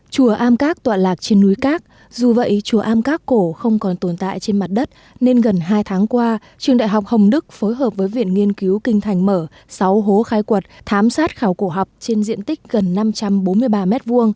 chùa am các tọa lạc trên núi các dù vậy chùa am các cổ không còn tồn tại trên mặt đất nên gần hai tháng qua trường đại học hồng đức phối hợp với viện nghiên cứu kinh thành mở sáu hố khai quật thám sát khảo cổ học trên diện tích gần năm trăm bốn mươi ba m hai